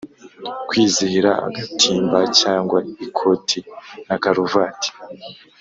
“Kwizihira agatimba cyangwa ikoti na karuvati”